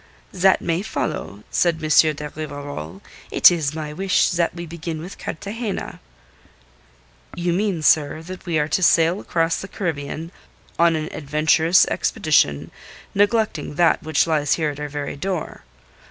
"That may follow," said M. de Rivarol. "It is my wish that we begin with Cartagena." "You mean, sir, that we are to sail across the Caribbean on an adventurous expedition, neglecting that which lies here at our very door.